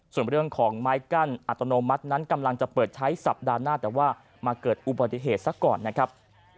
ส่วนเรื่องของไม้กั้นอัตโนมัตินั้นกำลังจะเปิดใช้สัปดาห์หน้าแต่ว่ามาเกิดอุบัติเหตุซะก่อนนะครับ